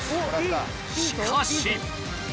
しかし。